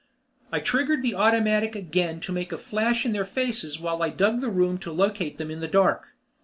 I triggered the automatic again to make a flash in their faces while I dug the room to locate them in the dark.